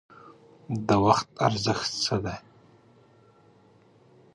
د وخت ارزښت څه دی؟